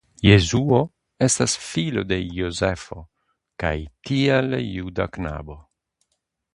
Jesuo estas filo de Jozefo kaj tial juda knabo.